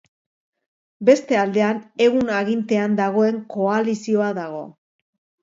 Beste aldean, egun agintean dagoen koalizioa dago.